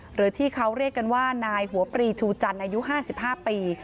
หรือที่เขาเรียกกันว่านายหัวปรีชูจันทร์อายุ๕๕ปี